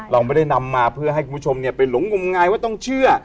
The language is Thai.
เราไม่ได้นำมาเพื่อให้คุณผู้ชมไปหลงงมงายว่าต้องเชื่อ